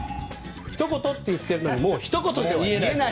ひと言と言ってるのにもうひと言で言えない。